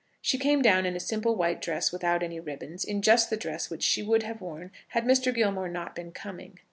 She came down in a simple white dress, without any ribbons, in just the dress which she would have worn had Mr. Gilmore not been coming.